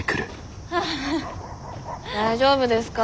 大丈夫ですか？